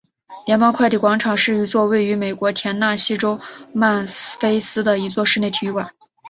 联邦快递广场是一座位于美国田纳西州曼菲斯的一座室内体育馆。